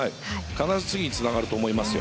必ず次につながると思いますよ。